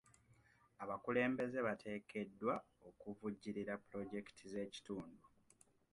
Abakulembeze bateekeddwa okuvujjirira pulojekiti z'ekitundu.